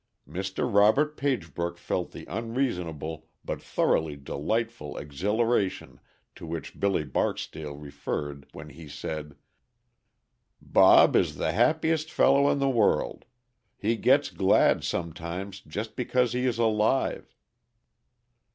Mr. Robert Pagebrook felt the unreasonable but thoroughly delightful exhilaration to which Billy Barksdale referred when he said, "Bob is the happiest fellow in the world; he gets glad sometimes just because he is alive."